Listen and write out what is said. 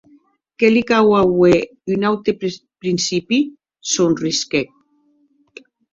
Que li cau auer un aute principi!, sorrisclèc.